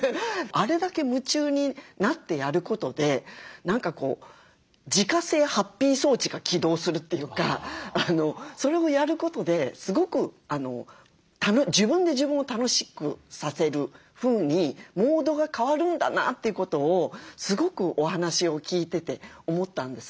あれだけ夢中になってやることで何か自家製ハッピー装置が起動するというかそれをやることですごく自分で自分を楽しくさせるふうにモードが変わるんだなということをすごくお話を聞いてて思ったんですね。